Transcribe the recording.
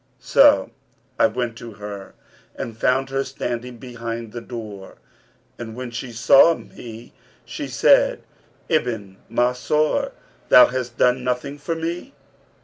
So I went to her and found her standing behind the door; and when she saw me she said, 'O Ibn Mansur, thou hast done nothing for me?'